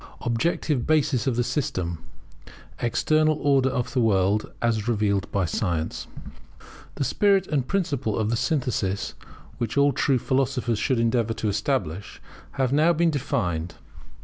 [Objective basis of the system; External Order of the World, as revealed by Science] The spirit and the principle of the synthesis which all true philosophers should endeavour to establish, have now been defined.